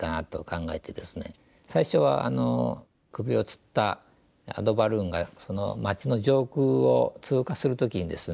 最初は首を吊ったアドバルーンがその町の上空を通過する時にですね